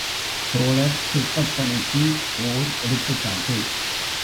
சோழர் சிற்பப் பணிக்கு ஓர் எடுத்துக்காட்டு.